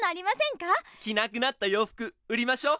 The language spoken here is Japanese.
きなくなったようふく売りましょう。